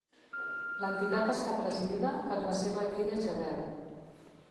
L'entitat està presidida per la seva filla Isabel.